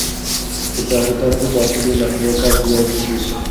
Utahitaji bakuli la kuweka viazi lishe